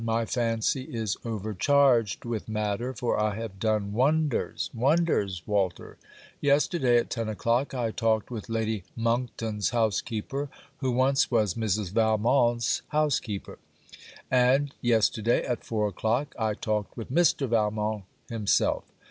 My fancy is overcharged with matter, for I have done wonders: wonders, Walter! Yesterday at ten o'clock I talked with Lady Monkton's housekeeper; who once was Mrs. Valmont's housekeeper; and yesterday at four o'clock I talked with Mr. Valmont himself.